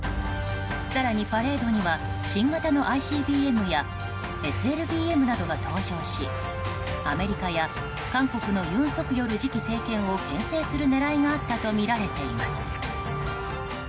更に、パレードには新型のＩＣＢＭやＳＬＢＭなどが登場しアメリカや韓国の尹錫悦次期政権を牽制する狙いがあったとみられています。